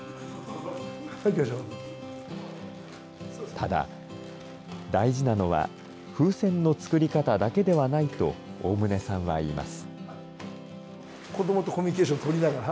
ただ、大事なのは風船の作り方だけではないと、大棟さんは言います。